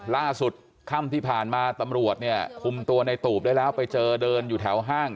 ล่าสุดค่ำที่ผ่านมาตำรวจเนี่ยคุมตัวในตูบได้แล้วไปเจอเดินอยู่แถวห้าง